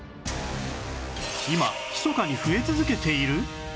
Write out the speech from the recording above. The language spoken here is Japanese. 今ひそかに増え続けている！？